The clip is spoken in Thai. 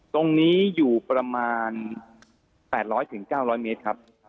ตรงนี้อยู่ประมาณ๘๐๐๙๐๐เมตรครับ